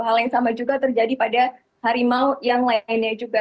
hal yang sama juga terjadi pada harimau yang lainnya juga